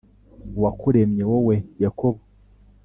uwakuremye wowe Yakobo,